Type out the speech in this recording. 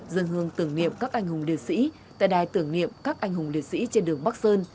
dân hương tưởng niệm các anh hùng liệt sĩ tại đài tưởng niệm các anh hùng liệt sĩ trên đường bắc sơn